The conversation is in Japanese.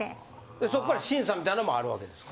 でそっから審査みたいなのもあるわけですか？